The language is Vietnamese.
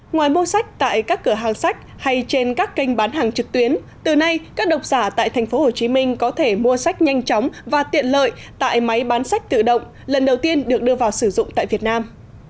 ngoài mua sách tại các cửa hàng sách hay trên các kênh bán hàng trực tuyến từ nay các độc giả tại tp hcm có thể mua sách nhanh chóng và tiện lợi tại máy bán sách tự động lần đầu tiên được đưa vào sử dụng tại việt nam